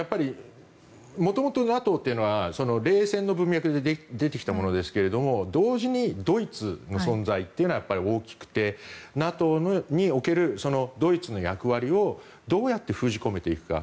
元々、ＮＡＴＯというのは冷戦の文脈で出てきたものですけど同時にドイツの存在というのは大きくてＮＡＴＯにおけるドイツの役割をどうやって封じ込めていくか。